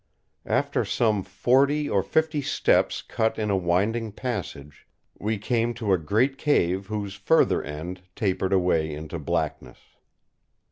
After some forty or fifty steps cut in a winding passage, we came to a great cave whose further end tapered away into blackness.